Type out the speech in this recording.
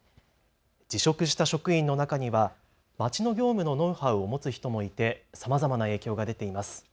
辞職した職員の中には町の業務のノウハウを持つ人もいてさまざまな影響が出ています。